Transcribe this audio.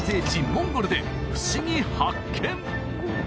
モンゴルでふしぎ発見！